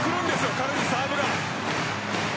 彼にサーブが。